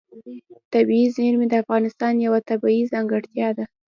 طبیعي زیرمې د افغانستان یوه طبیعي ځانګړتیا ده.